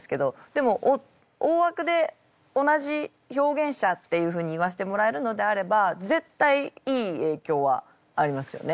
でも大枠で同じ表現者っていうふうに言わせてもらえるのであれば絶対いい影響はありますよね。